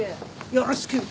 よろしく！